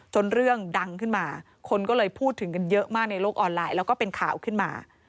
เรื่องดังขึ้นมาคนก็เลยพูดถึงกันเยอะมากในโลกออนไลน์แล้วก็เป็นข่าวขึ้นมา